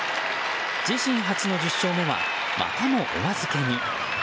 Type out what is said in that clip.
自身初の１０勝目はまたもお預けに。